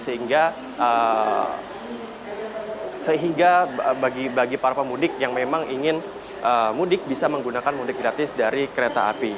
sehingga sehingga bagi para pemudik yang memang ingin mudik bisa menggunakan mudik gratis dari kereta api